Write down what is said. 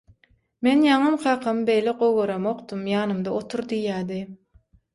Men ýaňam kakamy beýle gowy göremokdym – ýanymda otur diýýädi